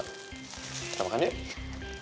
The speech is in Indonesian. kita makan yuk